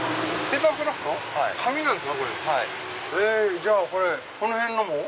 じゃあこれこの辺のも？